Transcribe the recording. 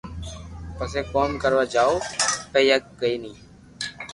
پسي ڪوم ڪروا جاو پييا ڪئي ني